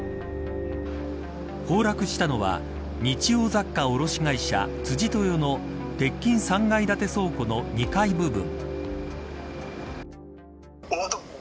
崩落したのは、日用雑貨卸会社辻豊の鉄筋３階建ての倉庫の２階部分。